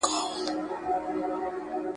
دا نه وايي چې دا غوړي دي یا عضلې.